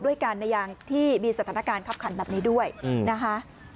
ด้วยกันในยางที่มีสถานการณ์คับขันแบบนี้ด้วยนะคะ